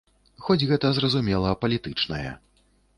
Хоць гэта, зразумела, палітычнае.